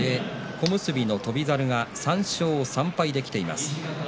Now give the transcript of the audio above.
小結の翔猿３勝３敗できています。